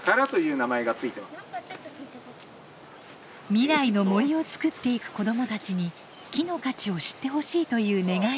未来の森を作っていく子どもたちに木の価値を知ってほしいという願いを込めて。